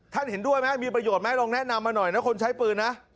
ท่านเห็นด้วยมั้ยมีประโยชน์มั้ยลองแนะนำมาหน่อยนะคนใช้ปืนนะ